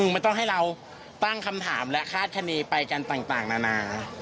ไม่ต้องให้เราตั้งคำถามและคาดคณีไปกันต่างนานา